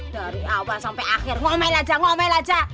dari awal sampai akhir ngomel aja ngomel aja